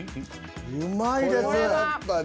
うまいです。